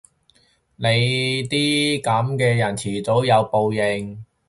你啲噉嘅人遲早有報應！